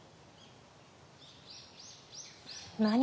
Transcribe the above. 何？